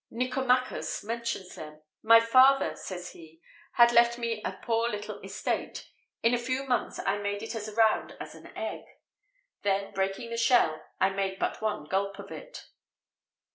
Nicomachus mentions them: "My father," says he, "had left me a poor little estate; in a few months I made it as round as an egg; then, breaking the shell, I made but one gulp of it."